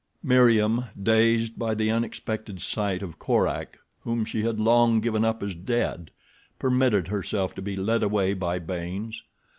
Meriem, dazed by the unexpected sight of Korak whom she had long given up as dead, permitted herself to be led away by Baynes.